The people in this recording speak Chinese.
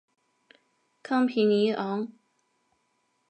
康皮尼昂。